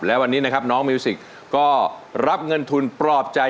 และวันนี้นะครับน้องมิวสิกก็รับเงินทุนปลอบใจ